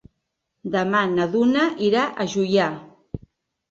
Demà na Duna irà a Juià.